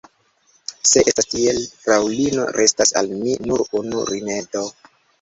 Se estas tiel, fraŭlino, restas al mi nur unu rimedo.